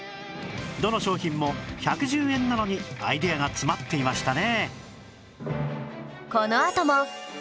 どの商品も１１０円なのにアイデアが詰まっていましたね